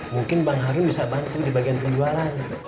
mungkin bang haril bisa bantu di bagian penjualan